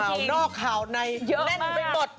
ข่าวนอกข่าวในแน่นเป็นบท